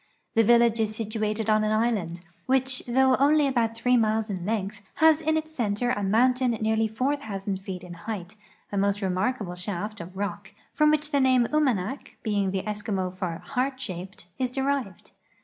The village is situated on an island, which though only about three miles in length, has in its center a moun tain nearly 4,000 feet in height, a most remarkable shaft of rock, from which the name Umanak, being the Eskimo for " heart shaped," is derived.